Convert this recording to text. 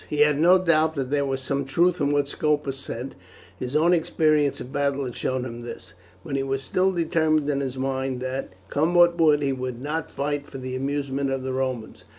He had no doubt that there was some truth in what Scopus said; his own experience in battle had shown him this. But he was still determined in his mind that, come what would, he would not fight for the amusement of the Romans.